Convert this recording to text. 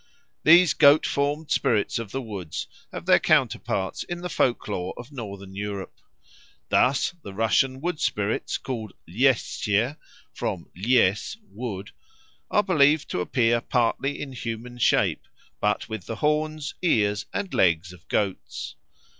These goat formed spirits of the woods have their counterparts in the folk lore of Northern Europe. Thus, the Russian wood spirits, called Ljeschie (from ljes, "wood"), are believed to appear partly in human shape, but with the horns, ears, and legs of goats.